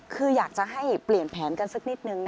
คืออยากจะให้เปลี่ยนแผนกันสักนิดนึง